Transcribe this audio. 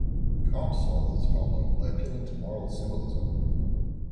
Kant solves this problem by appealing to moral symbolism.